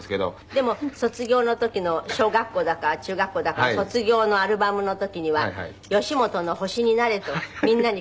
でも卒業の時の小学校だか中学校だか卒業のアルバムの時には「吉本の星になれ」とみんなに。